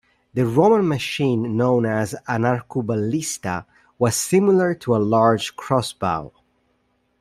The Roman machine known as an arcuballista was similar to a large crossbow.